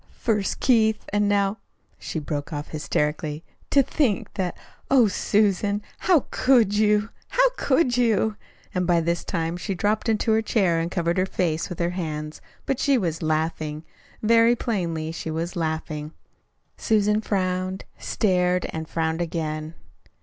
First Keith, and now " She broke off hysterically. "To think that Oh, Susan, how could you, how could you!" And this time she dropped into a chair and covered her face with her hands. But she was laughing. Very plainly she was laughing. Susan frowned, stared, and frowned again.